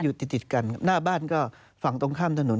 อยู่ติดกันหน้าบ้านก็ฝั่งตรงข้ามถนน